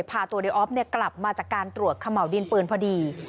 พาตัวในออฟกลับมาจากการตรวจเขม่าวดินปืนพอดี